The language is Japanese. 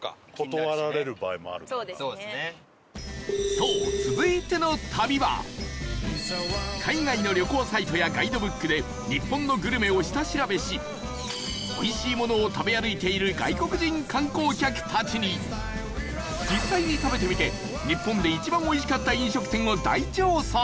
そう、続いての旅は海外の旅行サイトやガイドブックで日本のグルメを下調べしおいしいものを食べ歩いている外国人観光客たちに実際に食べてみて日本で一番おいしかった飲食店を大調査！